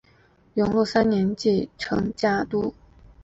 永禄三年继承家督。